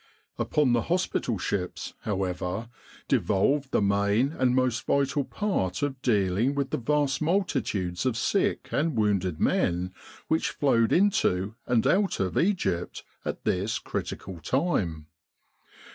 Upon the hospital ships, however, devolved the main and most vital part of dealing with the vast multitudes of sick and wounded men which flowed into, and out of, tgypt at this critical time.